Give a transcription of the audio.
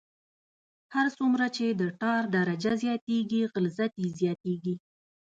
هر څومره چې د ټار درجه زیاتیږي غلظت یې زیاتیږي